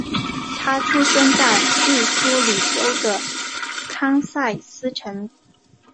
他出生在密苏里州的堪萨斯城。